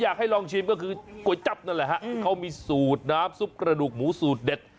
อยากให้ลองชิมก็คือก๋วยจับนั่นแหละฮะที่เขามีสูตรน้ำซุปกระดูกหมูสูตรเด็ด